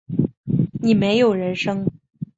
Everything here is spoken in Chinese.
你没有人生